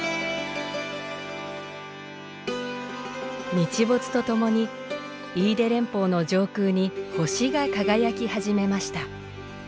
日没とともに飯豊連峰の上空に星が輝き始めました。